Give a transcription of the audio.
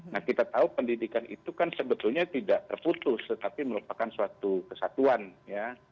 nah kita tahu pendidikan itu kan sebetulnya tidak terputus tetapi merupakan suatu kesatuan ya